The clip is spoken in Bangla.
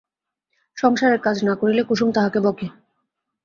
সংসারের কাজ না করিলে কুসুম তাহাকে বকে।